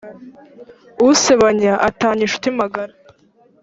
usebanya atanya incuti magara